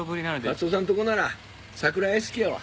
勝夫さんとこなら桜屋敷やわ。